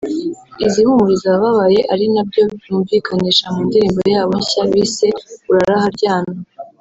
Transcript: izihumuriza ababaye ari nabyo bumvikanisha mu ndirimbo yabo nshya bise Urare aharyana